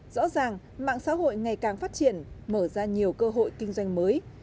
rõ ràng mạng xã hội ngày càng phát triển mở ra nhiều cơ hội kinh doanh mới